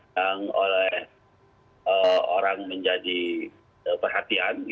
yang oleh orang menjadi perhatian